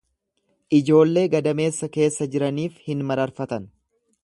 Ijoollee gadameessa keessa jiraniif hin mararfatan.